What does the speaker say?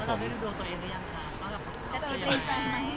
แล้วไม่ได้ดูดวงตัวเองหรือยังค่ะ